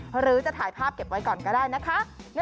หรือจะถ่ายภาพเก็บไว้ก่อนก็ได้นะคะ